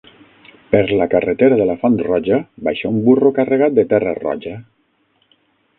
Per la carretera de la Font Roja, baixa un burro carregat de terra roja.